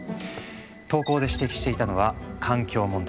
投稿で指摘していたのは環境問題。